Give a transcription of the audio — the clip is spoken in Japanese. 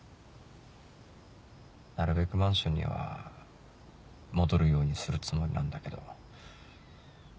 なるべくマンションには戻るようにするつもりなんだけど。